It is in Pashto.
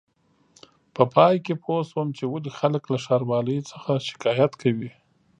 په پای کې پوه شوم چې ولې خلک له ښاروالۍ څخه شکایت کوي.